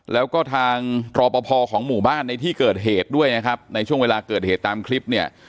แล้วก็ทางรอปภของหมู่บ้านในที่เกิดเหตุด้วยนะครับในช่วงเวลาเกิดเหตุตามคลิปเนี่ย